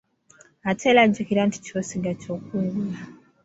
Ate era jjukira nti ky'osiga ky'okungula.